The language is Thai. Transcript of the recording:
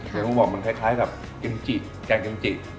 อย่างที่ผมบอกมันคล้ายกับแกงกิมจิ